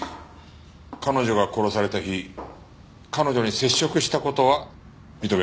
彼女が殺された日彼女に接触した事は認めるな？